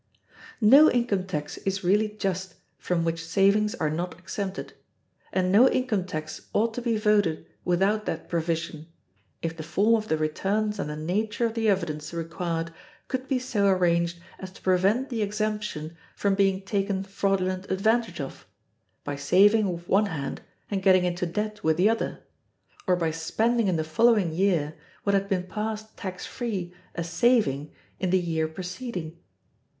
No income tax is really just from which savings are not exempted; and no income tax ought to be voted without that provision, if the form of the returns and the nature of the evidence required could be so arranged as to prevent the exemption from being taken fraudulent advantage of, by saving with one hand and getting into debt with the other, or by spending in the following year what had been passed tax free as saving in the year preceding.